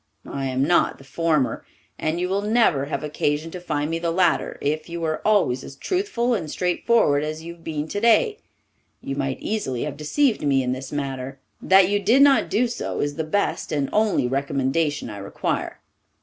I am not the former, and you will never have occasion to find me the latter if you are always as truthful and straightforward as you have been today. You might easily have deceived me in this matter. That you did not do so is the best and only recommendation I require.